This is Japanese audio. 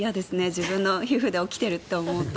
自分の皮膚で起きていると考えると。